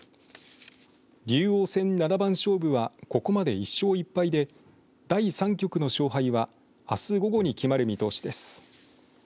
竜王戦七番勝負はここまで１勝１敗で第３局の勝敗はあす午後に決まる見通しです。